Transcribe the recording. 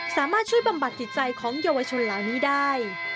สามารถช่วยบำบัดจิตใจของเยาวชนเหล่านี้ได้